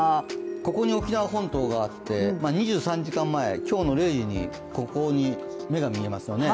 ここに沖縄本島があって、２３時間前今日の０時にここに目が見えますよね。